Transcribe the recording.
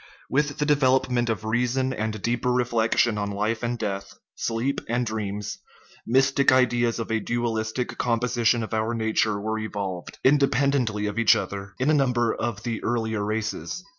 With the development of reason and deep er reflection on life and death, sleep and dreams, mystic ideas of a dualistic composition of our nature were evolved independently of each other in a number of the earlier races.